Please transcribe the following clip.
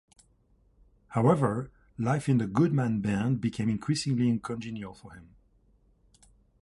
However, life in the Goodman band became increasingly uncongenial for him.